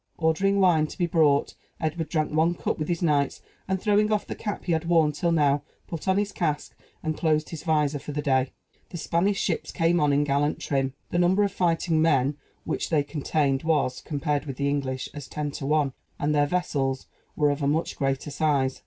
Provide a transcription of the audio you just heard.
Ordering wine to be brought, Edward drank one cup with his knights, and, throwing off the cap he had worn till now, put on his casque, and closed his visor for the day. The Spanish ships came on in gallant trim. The number of fighting men which they contained was, compared with the English, as ten to one; and their vessels were of a much greater size.